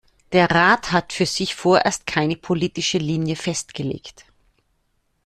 Der Rat hat für sich vorerst keine politische Linie festgelegt.